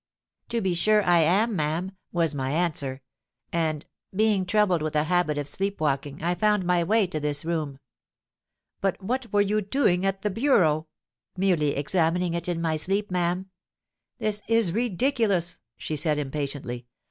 '—'To be sure I am, ma'am,' was my answer; 'and, being troubled with a habit of sleep walking, I found my way to this room.'—'But what were you doing at the bureau?'—'Merely examining it in my sleep, ma'am.'—'This is ridiculous,' she said impatiently.